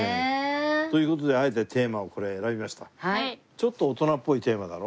ちょっと大人っぽいテーマだろ？